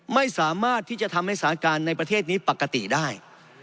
ไม่สามารถที่จะทำให้สถานการณ์ในประเทศนี้ปกติได้